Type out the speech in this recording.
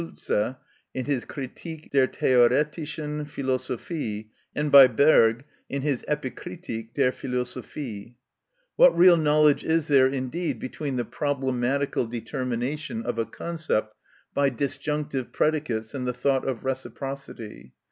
Schulze in his "Kritik der theoretischen Philosophie," and by Berg in his "Epikritik der Philosophie." What real analogy is there, indeed, between the problematical determination of a concept by disjunctive predicates and the thought of reciprocity?